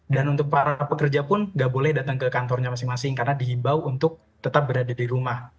dan untuk para pekerja pun nggak boleh datang ke kantornya masing masing karena dihimbau untuk tetap berada di rumah